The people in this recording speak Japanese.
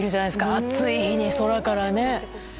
暑い日に、空からね。